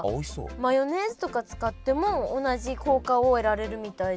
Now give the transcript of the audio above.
マヨネーズとか使っても同じ効果を得られるみたいです。